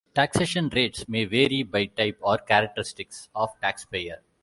Taxation rates may vary by type or characteristics of the taxpayer.